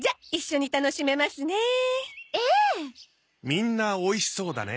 みんなおいしそうだね。